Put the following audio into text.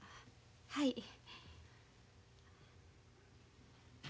はい。